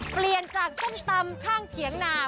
เปลี่ยนจากส้มตำข้างเขียงนา